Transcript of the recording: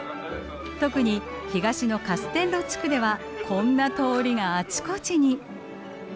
特に東のカステッロ地区ではこんな通りがあちこちに。